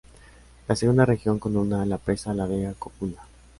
La segunda región, con una, la Presa La Vega-Cocula.